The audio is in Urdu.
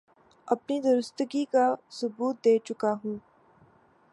اپنی درستگی کا ثبوت دے چکا ہے